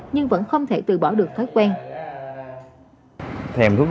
nhưng vẫn không thể từ bỏ được thói quen